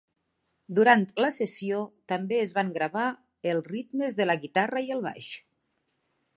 Durant la sessió també es van gravar el ritmes de la guitarra i el baix.